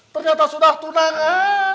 ternyata sudah tunangan